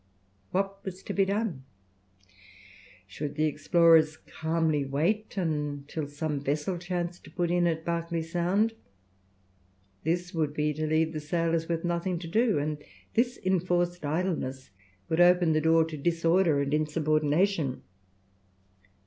"What was to be done?" Should the explorers calmly wait until some vessel chanced to put in at Berkeley Sound? This would be to leave the sailors with nothing to do, and this enforced idleness would open the door to disorder and insubordination.